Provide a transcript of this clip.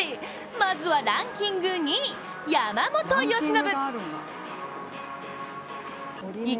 まずはランキング２位、山本由伸。